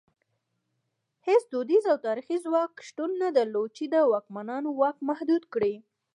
هېڅ دودیز او تاریخي ځواک شتون نه درلود چې د واکمنانو واک محدود کړي.